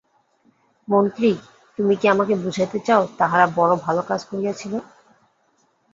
মন্ত্রী, তুমি কি আমাকে বুঝাইতে চাও, তাহারা বড়ো ভালো কাজ করিয়াছিল?